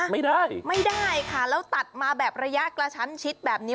ไม่ได้ไม่ได้ค่ะแล้วตัดมาแบบระยะกระชั้นชิดแบบนี้